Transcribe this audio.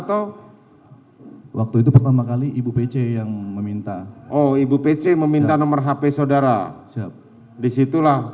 oh ibu pc meminta nomor hp saudara